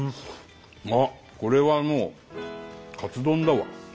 あっこれはもうカツ丼だわ。